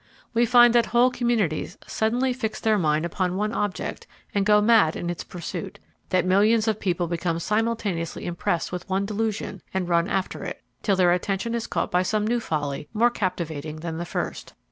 We find that whole communities suddenly fix their minds upon one object, and go mad in its pursuit; that millions of people become simultaneously impressed with one delusion, and run after it, till their attention is caught by some new folly more captivating than the first.